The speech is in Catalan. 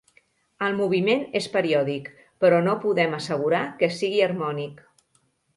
El moviment és periòdic, però no podem assegurar que sigui harmònic.